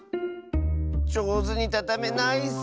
じょうずにたためないッス！